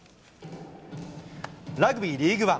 ラグビーリーグワン。